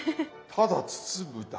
ただ包むだけ。